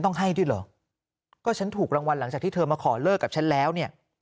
ต้องให้ด้วยเหรอก็ฉันถูกรางวัลหลังจากที่เธอมาขอเลิกกับฉันแล้วเนี่ย